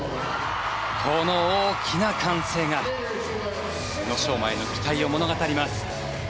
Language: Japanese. この大きな歓声が宇野昌磨への期待を物語ります。